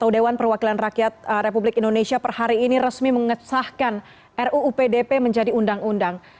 dewan perwakilan rakyat republik indonesia per hari ini resmi mengesahkan ruu pdp menjadi undang undang